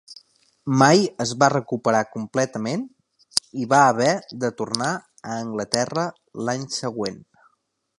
Mai es va recuperar completament i va haver de tornar a Anglaterra l'any següent.